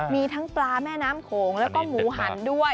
มีทั้งปลาแม่น้ำโขงแล้วก็หมูหันด้วย